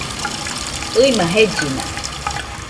ɨɨma jellina